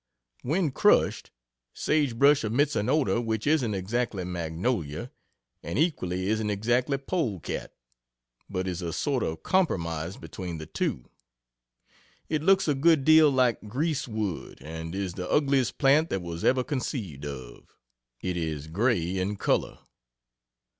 When crushed, sage brush emits an odor which isn't exactly magnolia and equally isn't exactly polecat but is a sort of compromise between the two. It looks a good deal like grease wood, and is the ugliest plant that was ever conceived of. It is gray in color.